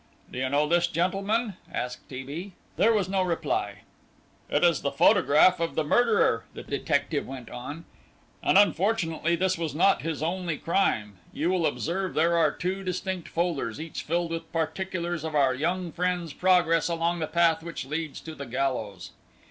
"Do you know this gentleman?" asked T. B. There was no reply. "It is the photograph of the murderer," the detective went on, "and unfortunately this was not his only crime. You will observe there are two distinct folders, each filled with particulars of our young friend's progress along the path which leads to the gallows."